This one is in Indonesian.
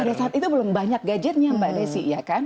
pada saat itu belum banyak gadgetnya mbak desi